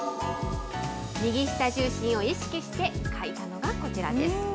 右下重心を意識して書いたのがこちらです。